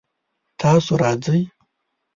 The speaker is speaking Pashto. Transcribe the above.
تاسو راځئ؟